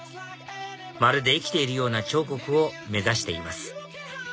まるで生きているような彫刻を目指しています